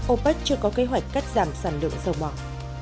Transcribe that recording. opec chưa có kế hoạch cắt giảm sản lượng dầu mỏ